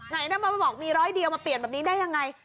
ไหนนะมาบอกมีร้อยเดียวมาเปลี่ยนแบบนี้ได้ยังไง